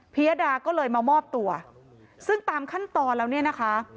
ยดาก็เลยมามอบตัวซึ่งตามขั้นตอนแล้วเนี่ยนะคะ